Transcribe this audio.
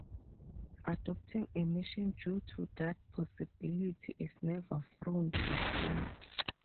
Aborting a mission due to that possibility is never frowned upon.